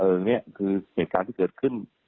นี่คือเหตุการณ์ที่เกิดขึ้น